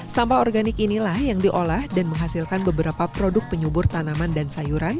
sampah organik inilah yang diolah dan menghasilkan beberapa produk penyubur tanaman dan sayuran